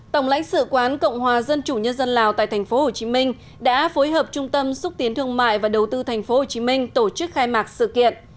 tổng lãnh sự quán cộng hòa dân chủ nhân dân lào tại tp hcm đã phối hợp trung tâm xúc tiến thương mại và đầu tư tp hcm tổ chức khai mạc sự kiện